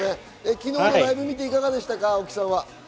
昨日、ライブを見ていかがでしたか。